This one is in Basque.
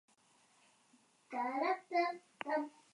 Berriz sentitu nahi nuen nora noan ez jakiteko beldurra eta ardura.